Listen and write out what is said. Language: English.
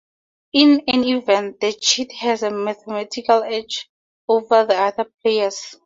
In any event, the cheat has a mathematical edge over the other players.